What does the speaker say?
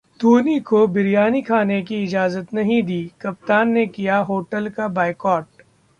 धोनी को बिरयानी खाने की इजाजत नहीं दी, कप्तान ने किया होटल का बायकॉट